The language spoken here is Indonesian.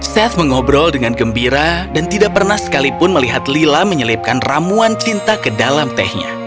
seth mengobrol dengan gembira dan tidak pernah sekalipun melihat lila menyelipkan ramuan cinta ke dalam tehnya